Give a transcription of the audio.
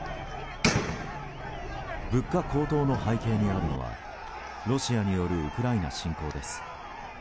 物価高騰の背景にあるのはロシアによるウクライナ侵攻です。